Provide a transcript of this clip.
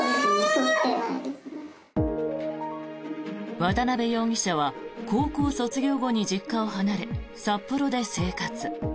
渡邉容疑者は高校卒業後に実家を離れ札幌で生活。